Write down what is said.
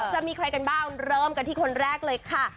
จะมีใครกันบ้างเริ่มกันที่คนแรกเลยค่ะ